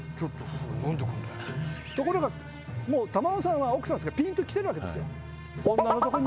ところがもう玉緒さんは奥さんですからピンときてるわけです。